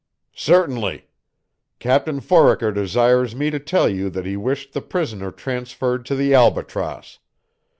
"Certainly. Captain Foraker desires me to tell you that he wished the prisoner transferred to the Albatross.